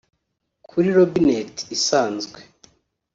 Kuri robinet isanzwe